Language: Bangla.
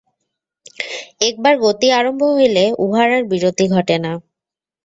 একবার গতি আরম্ভ হইলে উহার আর বিরতি ঘটে না।